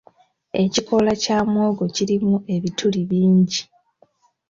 Ekikola kya muwogo kirimu ebituli bingi.